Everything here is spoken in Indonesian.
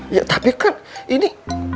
ya tapi kan ini